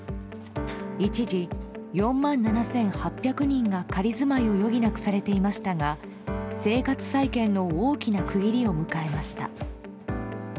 一時、４万７８００人が仮住まいを余儀なくされていましたが生活再建の大きな区切りを迎えました。